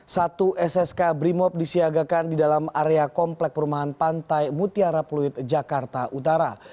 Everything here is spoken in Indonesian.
satu ssk brimob disiagakan di dalam area komplek perumahan pantai mutiara pluit jakarta utara